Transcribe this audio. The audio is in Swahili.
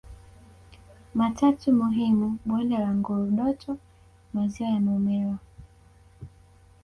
matatu muhimu bonde la Ngurdoto maziwa ya Momella